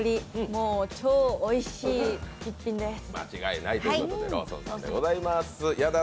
もう、超おいしい一品です。